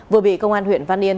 vừa bị công an huyện văn yên